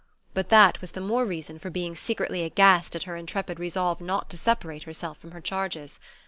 But that was the more reason for being secretly aghast at her intrepid resolve not to separate herself from her charges.